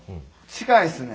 近いですね。